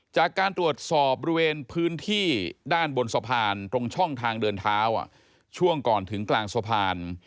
จากการตรวจสอบบริเวณพื้นที่ด้านบนสะพานตรงช่องทางเดินเท้าช่วงก่อนถึงกลางสะพาน